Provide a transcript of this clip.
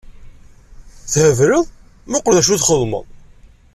Thebleḍ! Muqel d acu txedmeḍ!